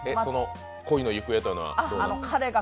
恋の行方というのは？